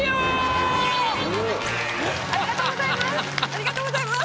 ありがとうございます。